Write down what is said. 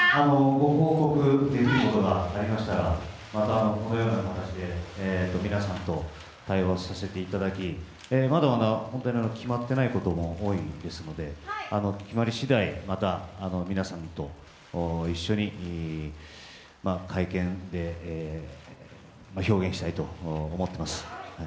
ご報告できることがありましたら、またこのような形で皆さんと対話させていただき、まだまだ本当に決まっていないことも多いですので、決まり次第、また皆さんと一緒に会見で表現したいと思ってます。